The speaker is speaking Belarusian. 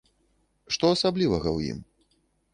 Што асаблівага ў ім?